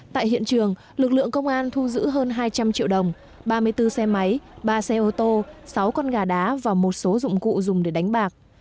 tại hiện trường lực lượng công an thu giữ hơn hai trăm linh triệu đồng ba mươi bốn xe máy ba xe ô tô sáu con gà đá và một số dụng cụ dùng để đánh bạc